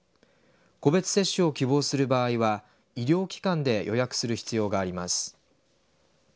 個別接種を希望する場合は医療機関で予約する必要があります。